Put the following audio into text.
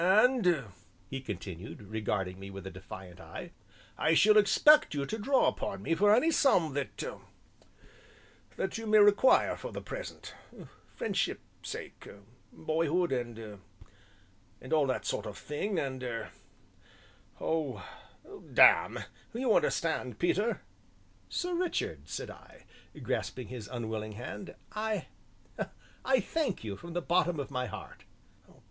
"And," he continued, regarding me with a defiant eye, "I shall expect you to draw upon me for any sum that that you may require for the present friendship's sake boyhood and and all that sort of thing, and er oh, damme, you understand, Peter?" "Sir Richard," said I, grasping his unwilling hand, "I I thank you from the bottom of my heart."